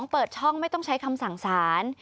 เปิดช่องไม่ต้องใช้คำสั่งสาร